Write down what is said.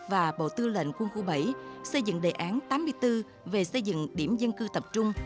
và bộ tư lệnh quân khu bảy xây dựng đề án tám mươi bốn về xây dựng điểm dân cư tập trung